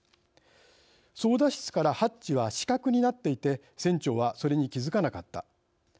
操だ室からハッチは死角になっていて船長はそれに気づかなかった。